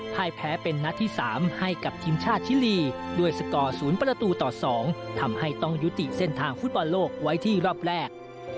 ให้แพ้เป็นนัดที่๓ให้กับทีมชาติชิลีด้วยสกอร์๐ประตูต่อ๒ทำให้ต้องยุติเส้นทางฟุตบอลโลกไว้ที่รอบแรก